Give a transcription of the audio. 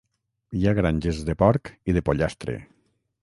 Hi ha granges de porc i de pollastre.